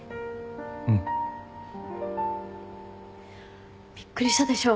うん。びっくりしたでしょ？